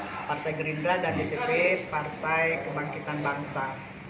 yang pertama kita ingin melanjutkan apa yang sudah dilakukan oleh dpw partai gerindra dan dpw partai kebangkitan bangsa